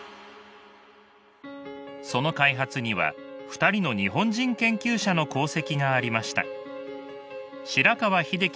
その開発には２人の日本人研究者の功績がありました。